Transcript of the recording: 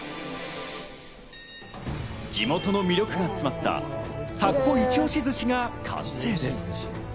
地元の魅力が詰まった田子イチ推し寿司が完成です。